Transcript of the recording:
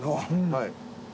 はい。